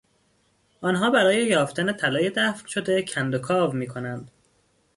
آنها برای یافتن طلای دفن شده کند و کاو میکنند.